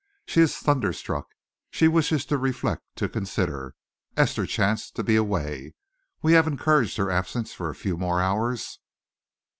"She is thunderstruck. She wishes to reflect, to consider. Esther chanced to be away. We have encouraged her absence for a few more hours."